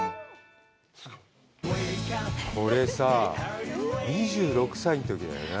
これさ、２６歳のときだよな？